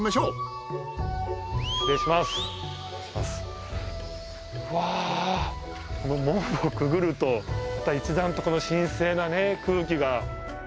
うわぁこの門をくぐるとまた一段とこの神聖なね空気が。